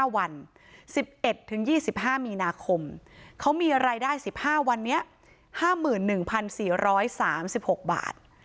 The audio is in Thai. ๕วัน๑๑๒๕มีนาคมเขามีรายได้๑๕วันนี้๕๑๔๓๖บาท